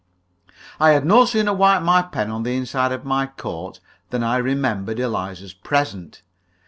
I had no sooner wiped my pen on the inside of my coat than I remembered Eliza's present.